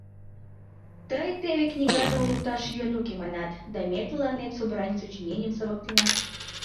Тый теве книгатым лукташ йӧн уке, манат, да ме тыланет собраний сочиненийым савыктена.